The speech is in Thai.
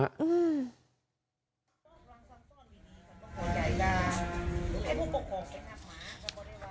อื้ม